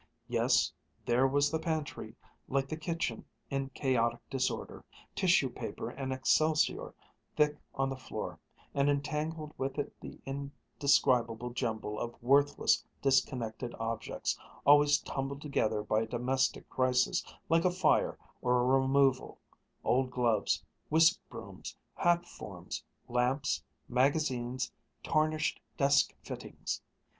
Yes, there was the pantry, like the kitchen, in chaotic disorder, tissue paper and excelsior thick on the floor, and entangled with it the indescribable jumble of worthless, disconnected objects always tumbled together by a domestic crisis like a fire or a removal old gloves, whisk brooms, hat forms, lamps, magazines, tarnished desk fittings.